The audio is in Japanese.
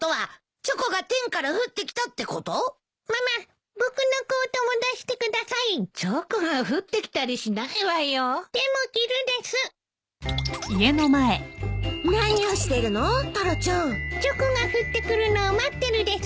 チョコが降ってくるのを待ってるです。